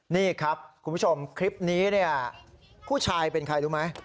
นี่ครับคุณผู้ชมคลิปนี้เนี่ยผู้ชายเป็นใครรู้ไหม